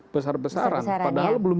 besar besaran padahal belum